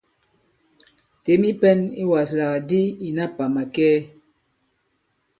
Těm i pɛ̄n i wàslàk di ìna pà màkɛɛ!